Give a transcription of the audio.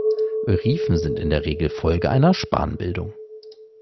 Riefen sind in der Regel Folge einer Spanbildung.